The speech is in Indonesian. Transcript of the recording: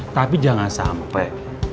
tapi jangan sampai